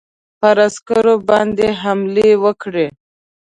پر عسکرو باندي حملې وکړې.